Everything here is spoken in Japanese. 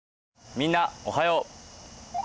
みんなおはよう。